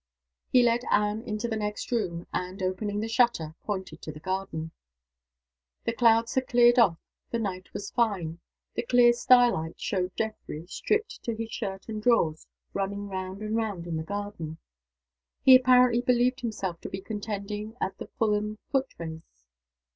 He led Anne into the next room; and, opening the shutter, pointed to the garden. The clouds had cleared off; the night was fine. The clear starlight showed Geoffrey, stripped to his shirt and drawers, running round and round the garden. He apparently believed himself to be contending at the Fulham foot race.